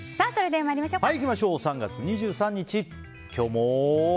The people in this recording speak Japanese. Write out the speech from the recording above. ３月２３日、今日も。